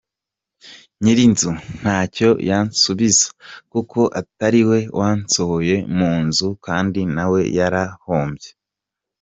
Nyirinzu ntacyo yansubiza kuko atari we wansohoye mu nzu kandi na we yarahombye.